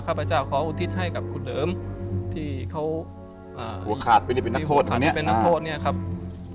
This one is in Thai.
ข้าพเจ้าขออุติฐิ์ให้กับคุณเหลิมที่เขาหัวขาดไม่ได้เป็นนักโฆษณ์